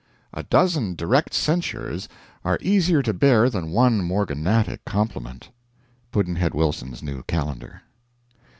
A dozen direct censures are easier to bear than one morganatic compliment. Pudd'nhead Wilson's New Calendar.